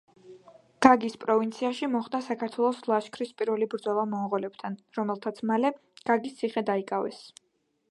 გაგის პროვინციაში მოხდა საქართველოს ლაშქრის პირველი ბრძოლა მონღოლებთან, რომელთაც მალე გაგის ციხე დაიკავეს.